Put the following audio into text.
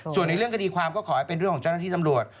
ส่วนในเรื่องคดีความก็ขอให้เป็นเรื่องของเจ้าหน้าที่ตำรวจ